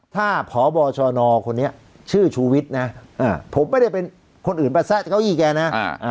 ถ้าพบชนคนนี้ชื่อชูวิทย์นะผมไม่ได้เป็นคนอื่นประแซะเก้าอี้แกนะ